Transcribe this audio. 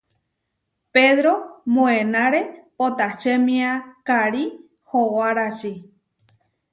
Pedró moenáre potačemia karí howaráči.